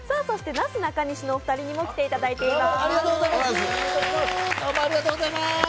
そしてなすなかにしのお二人にも来ていただいています。